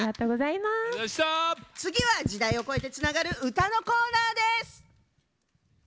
次は時代を越えてつながる歌のコーナーです！